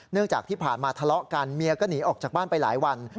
จากที่ผ่านมาทะเลาะกันเมียก็หนีออกจากบ้านไปหลายวัน